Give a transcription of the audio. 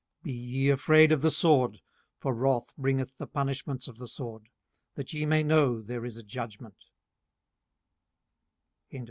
18:019:029 Be ye afraid of the sword: for wrath bringeth the punishments of the sword, that ye may know there is a judgment.